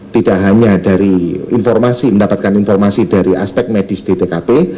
tidak hanya dari informasi mendapatkan informasi dari aspek medis di tkp